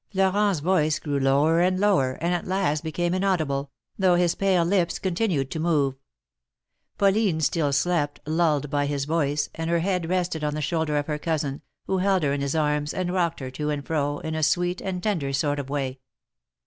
^' Florent^s voice grew lower and lower, and at last became inaudible, though his pale lips continued to move. Pauline still slept, lulled by his voice, and her head rested on the shoulder of her cousin, who held her in his arms, and rocked her to and fro, in a sweet and tender sort of way.